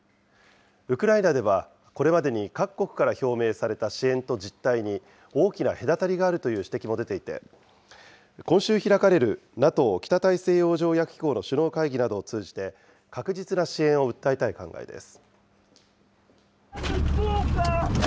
ウクライナでは、これまでに各国から表明された支援と実態に大きな隔たりがあるという指摘も出ていて、今週開かれるＮＡＴＯ・北大西洋条約機構の首脳会議などを通じて、確実な支援を訴えたい考えです。